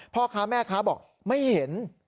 พ่อค้าแม่ค้าบอกไม่เห็น